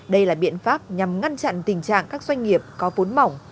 đây là biện pháp nhằm ngăn chặn tình trạng các doanh nghiệp có vốn mỏng